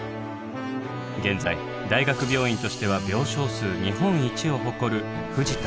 現在大学病院としては病床数日本一を誇る藤田医科大学病院。